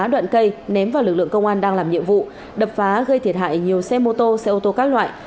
đoạn cây ném vào lực lượng công an đang làm nhiệm vụ đập phá gây thiệt hại nhiều xe mô tô xe ô tô các loại